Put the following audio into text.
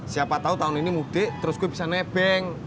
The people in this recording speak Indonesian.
siapa tahu tahun ini mudik terus gue bisa nebeng